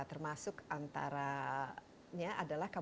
termasuk antaranya adalah